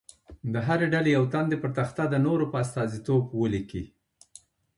د هرې ډلې یو تن دې پر تخته د نورو په استازیتوب ولیکي.